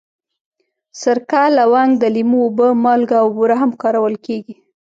سرکه، لونګ، د لیمو اوبه، مالګه او بوره هم کارول کېږي.